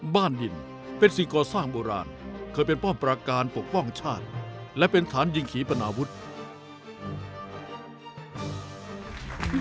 บ้านดินเป็นสิ่งก่อสร้างโบราณเคยเป็นป้อมประการปกป้องชาติและเป็นฐานยิงขี่ปนาวุฒิ